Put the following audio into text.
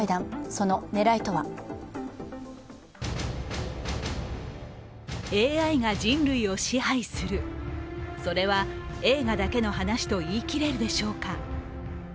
その狙いとはＡＩが人類を支配する、それは映画だけの話と言い切れるでしょうか。